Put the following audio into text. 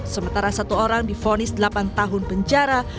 sementara satu orang difonis delapan tahun penjara